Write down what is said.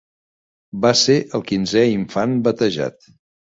Va ser el quinzè infant batejat.